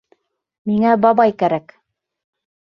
Миңә бабай кәрәк!